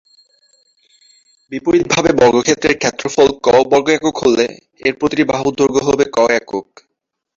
বিপরীতভাবে, বর্গক্ষেত্রের ক্ষেত্রফল "ক" বর্গ একক হলে, এর প্রতিটি বাহুর দৈর্ঘ্য হবে ‘"ক"’ একক।